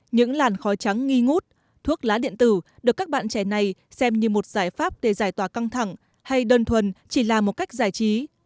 những làn khói trắng nghi ngút thuốc lá điện tử được các bạn trẻ này xem như một giải pháp để giải tỏa căng thẳng hay đơn thuần chỉ là một cách giải trí